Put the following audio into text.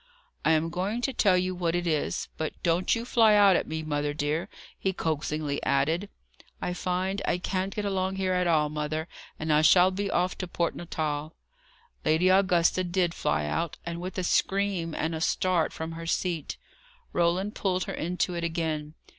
"I am going to tell you what it is. But don't you fly out at me, mother dear," he coaxingly added. "I find I can't get along here at all, mother, and I shall be off to Port Natal." Lady Augusta did fly out with a scream, and a start from her seat. Roland pulled her into it again.